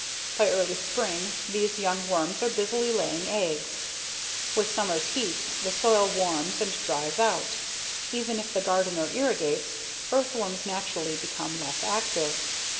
By early spring these young worms are busily laying eggs. With summer's heat the soil warms and dries out. Even if the gardener irrigates, earthworms naturally become less active.